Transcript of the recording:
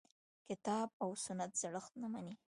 کتاب او سنت زړښت نه مني.